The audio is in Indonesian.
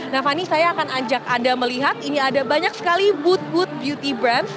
nah fani saya akan ajak anda melihat ini ada banyak sekali booth booth beauty brand